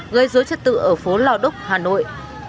gây dối trật tự ở phố lào đúc hà nội